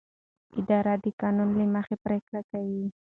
اداره د قانون له مخې پریکړې کوي.